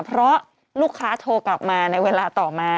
เพราะลูกค้าโทรกลับมาในเวลาต่อมา